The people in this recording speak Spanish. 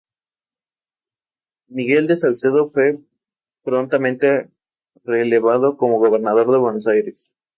Miguel de Salcedo fue prontamente relevado como gobernador de Buenos Aires.